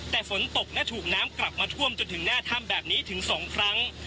แต่ฝนตกและถูกน้ำกลับมาท่วมจนถึงหน้าถ้ำแบบนี้ถึง๒ครั้ง